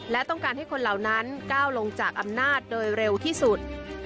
และต้องการให้คนเหล่านั้นก้าวลงจากอำนาจโดยเร็วที่สุด